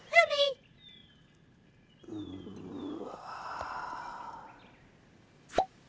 うわ。